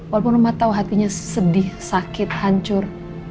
walaupun mama tau hatinya sedih sakit hancur